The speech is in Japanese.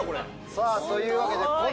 さあというわけでこの。